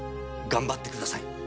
頑張ってください。